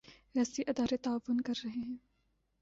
ریاستی ادارے تعاون کر رہے ہیں۔